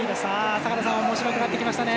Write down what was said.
坂田さんおもしろくなってきましたね。